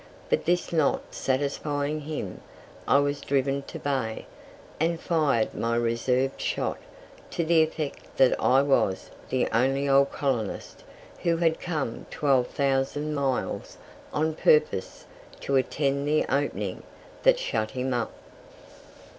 But this not satisfying him, I was driven to bay, and fired my reserved shot, to the effect that I was the only old colonist who had come twelve thousand miles on purpose to attend the opening. That shut him up.